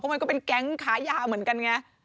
มันก็เป็นแก๊งค้ายาเหมือนกันไง